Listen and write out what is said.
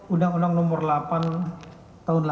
undang undang nomor delapan tahun delapan puluh